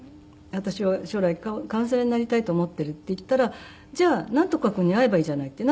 私は将来カウンセラーになりたいと思っているって言ったら「じゃあなんとか君に会えばいいじゃない」って。